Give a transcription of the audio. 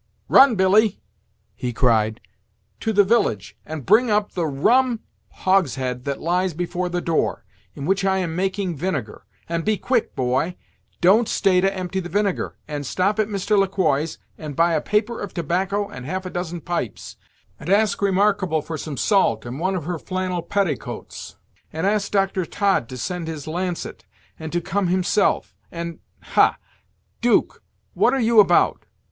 "Run, Billy," he cried, "to the village, and bring up the rum hogshead that lies before the door, in which I am making vinegar, and be quick, boy, don't stay to empty the vinegar, and stop at Mr. Le Quoi's, and buy a paper of tobacco and half a dozen pipes; and ask Remarkable for some salt, and one of her flannel petticoats; and ask Dr. Todd to send his lancet, and to come himself; and ha! 'Duke, what are you about?